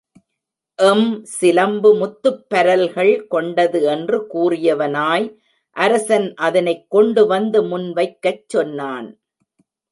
M சிலம்பு முத்துப்பரல்கள் கொண்டது என்று கூறியவனாய் அரசன் அதனைக் கொண்டு வந்து முன் வைக்கச் சொன்னான்.